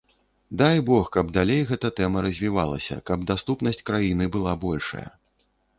Дай бог, каб далей гэта тэма развівалася, каб даступнасць краіны была большая.